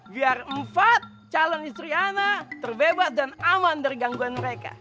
biar empat calon istri anak terbebas dan aman dari gangguan mereka